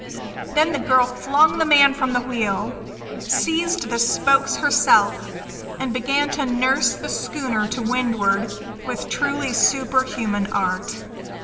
Then the girl flung the man from the wheel, seized the spokes herself, and began to nurse the schooner to windward with truly superhuman art.